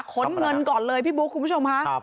ขนเงินก่อนเลยพี่บุ๊คคุณผู้ชมค่ะ